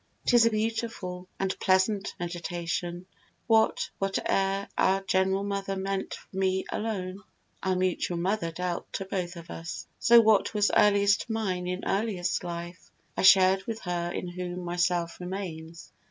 'Tis a beautiful And pleasant meditation, what whate'er Our general mother meant for me alone, Our mutual mother dealt to both of us: So what was earliest mine in earliest life, I shared with her in whom myself remains.